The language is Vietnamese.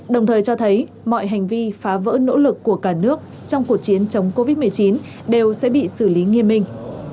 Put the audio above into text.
đồng thời cho thấy mọi hành vi phá vỡ nỗ lực của cả nước trong cuộc chiến chống covid một mươi chín đều sẽ bị xử lý nghiêm minh